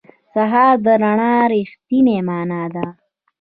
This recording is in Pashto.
سهار د رڼا رښتینې معنا ده.